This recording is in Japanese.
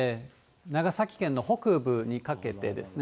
長崎県の北部にかけてですね。